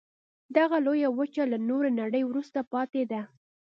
دغه لویه وچه له نورې نړۍ وروسته پاتې ده.